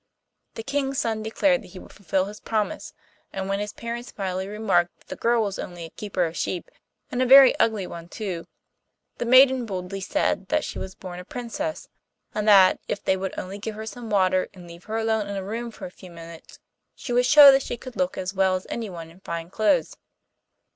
The King's son declared that he would fulfil his promise, and when his parents mildly remarked that the girl was only a keeper of sheep, and a very ugly one too, the maiden boldly said that she was born a princess, and that, if they would only give her some water and leave her alone in a room for a few minutes, she would show that she could look as well as anyone in fine clothes.